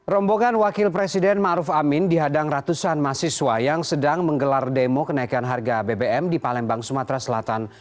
rombongan wakil presiden ⁇ maruf ⁇ amin dihadang ratusan mahasiswa yang sedang menggelar demo kenaikan harga bbm di palembang sumatera selatan